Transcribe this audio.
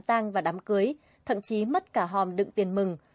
các đám tang và đám cưới thậm chí mất cả hòm đựng tiền mừng